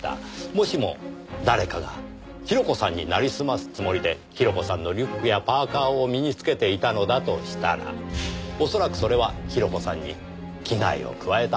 もしも誰かが広子さんになりすますつもりで広子さんのリュックやパーカーを身につけていたのだとしたらおそらくそれは広子さんに危害を加えた犯人でしょう。